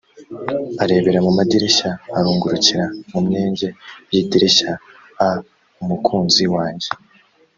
arebera mu madirishya arungurukira mu myenge y idirishya a umukunzi wanjye